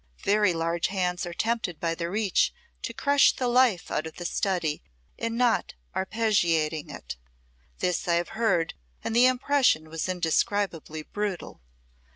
Very large hands are tempted by their reach to crush the life out of the study in not arpeggiating it. This I have heard, and the impression was indescribably brutal.